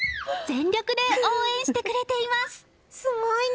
全力で応援してくれています。